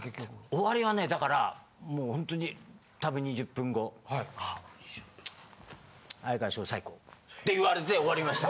終わりはねだからもうほんとに多分２０分後。って言われて終わりました。